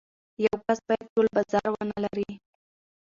یو کس باید ټول بازار ونلري.